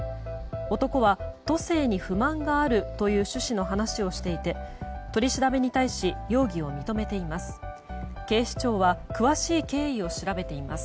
男は都政に不満があるという趣旨の話をしていて取り調べに対し容疑を認めています。